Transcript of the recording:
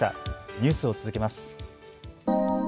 ニュースを続けます。